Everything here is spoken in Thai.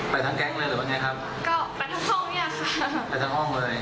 ไปทั้งห้องเลยครับแล้วมีอยากอะไรฝากถึงบิวข้างใน